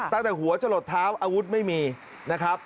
ตั้งแต่หัวจะหลดเท้าอาวุธไม่มีนะครับ